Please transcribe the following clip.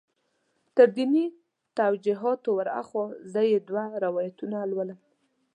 تر دیني توجیهاتو ور هاخوا زه یې دوه روایتونه لولم.